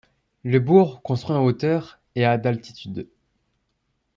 Le bourg, construit en hauteur, est à d'altitude.